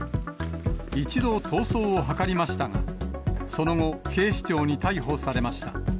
一度、逃走を図りましたが、その後、警視庁に逮捕されました。